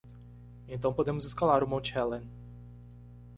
Então podemos escalar o Monte Helen